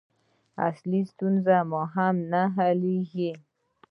اصلي ستونزه هم نه حلېږي.